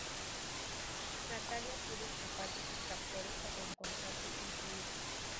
Natalia pudo escapar de sus captores y reencontrarse con su hija.